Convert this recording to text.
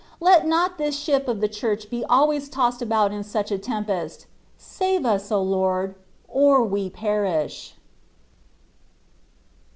J Let not this Ship of the Church be always tossed about in such a tempest :§ save us, O Lord, or we perish